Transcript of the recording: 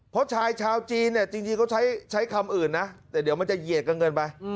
เพราะชายชาวจีนเนี่ยจริงเขาใช้คำอื่นนะแต่เดี๋ยวมันจะเหยียดกันเกินไป